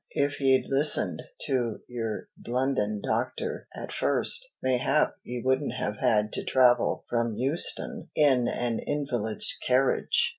If ye'd listened to yer London doctor at first, mayhap ye wouldn't have had to travel from Euston in an invalid's carriage.